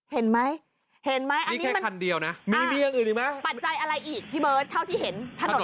เห็นไหมนี่มันปัจจัยอะไรอีกที่เบิร์ดเท่าที่เห็น